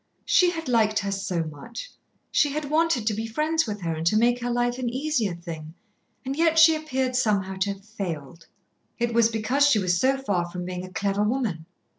She had liked her so much, she had wanted to be friends with her and to make her life an easier thing, and yet she appeared somehow to have failed. It was because she was so far from being a clever woman.